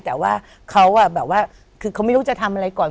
แต่ว่าเขาแบบว่าคือเขาไม่รู้จะทำอะไรก่อน